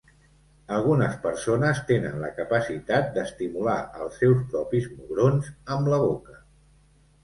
Algunes persones tenen la capacitat d'estimular els seus propis mugrons amb la boca.